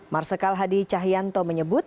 marsikal hadi cahyanto menyebut